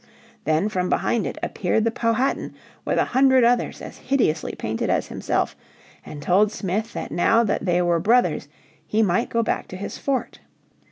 Then from behind it appeared the Powhatan with a hundred others as hideously painted as himself, and told Smith that now that they were brothers he might go back to his fort.